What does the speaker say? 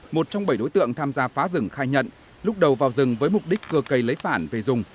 một trong bảy đối tượng tham gia phá rừng khai nhận lúc đầu vào rừng với mục đích cưa cây lấy phản về rừng